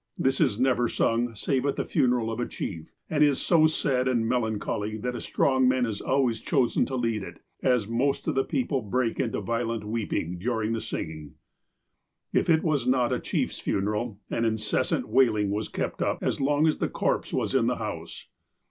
This is never sung save at the funeral of a chief, and is so sad and melancholy that a strong man is always chosen to lead it, as most of the people break into violent weeping during the singing. If it was not a chief's funeral, an incessant wailing was kept up as long as the corpse was in the house.